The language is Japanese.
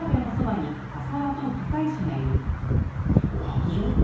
脅迫状？